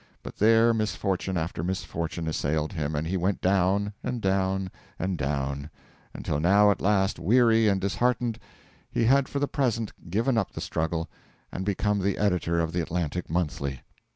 But there misfortune after misfortune assailed him, and he went down, and down, and down, until now at last, weary and disheartened, he had for the present given up the struggle and become the editor of the Atlantic Monthly.